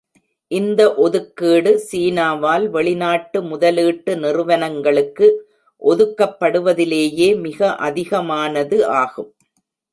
இந்த ஒதுக்கீடு சீனாவால் வெளிநாட்டு முதலீட்டு நிறுவனங்களுக்கு ஒதுக்கப்படுவதிலேயே மிக அதிகமானது ஆகும்.